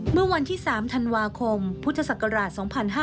เมื่อวันที่๓ธันวาคมพุทธศักราช๒๕๕๙